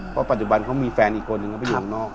เพราะปัจจุบันเขามีแฟนอีกคนนึงก็ไม่มีข้างนอก